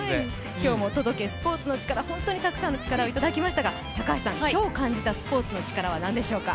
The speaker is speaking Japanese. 今日も「届け、スポーツのチカラ」たくさんのチカラ、感じましたが今日感じたスポーツのチカラは何でしょう。